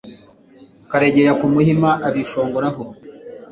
karegeya k'umuhima abishongoraho